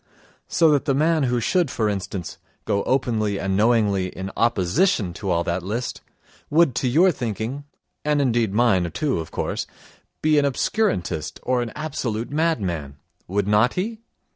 So that the man who should, for instance, go openly and knowingly in opposition to all that list would to your thinking, and indeed mine, too, of course, be an obscurantist or an absolute madman: would not he?